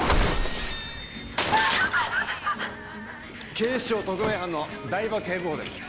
警視庁特命班の台場警部補です。